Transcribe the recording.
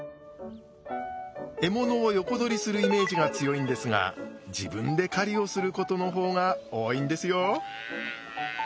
獲物を横取りするイメージが強いんですが自分で狩りをすることの方が多いんですよ。